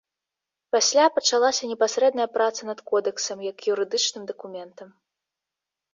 Пасля пачалася непасрэдная праца над кодэксам як юрыдычным дакументам.